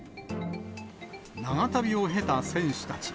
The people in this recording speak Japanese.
長旅を経た選手たち。